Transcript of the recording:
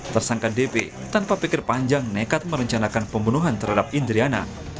tersangka dp tanpa pikir panjang nekat merencanakan pembunuhan terhadap indriana